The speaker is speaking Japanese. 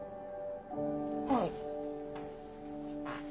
はい。